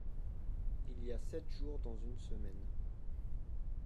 Il y a sept jours dans une semaine.